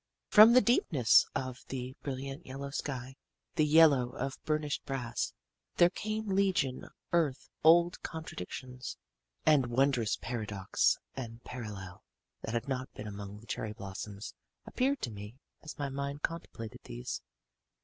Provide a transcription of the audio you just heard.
"From the deepness of the brilliant yellow sky the yellow of burnished brass there came legion earth old contradictions. And wondrous paradox and parallel that had not been among the cherry blossoms appeared to me as my mind contemplated these.